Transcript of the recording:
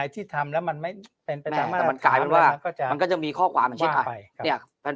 แต่มันกลายเป็นว่ามันก็จะมีข้อความอย่างเช่นกัน